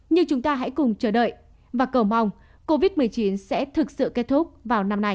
như chúng ta hãy cùng chờ đợi và cầu mong covid một mươi chín sẽ thực sự kết thúc vào năm nay